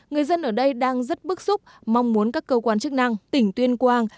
người dân ở đây đang rất bức xúc mong muốn các cơ quan chức năng tỉnh tuyên quang